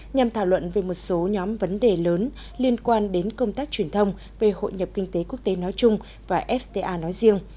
nhằm thảo luận về một số nhóm vấn đề lớn liên quan đến công tác truyền thông về hội nhập kinh tế quốc tế nói chung và fta nói riêng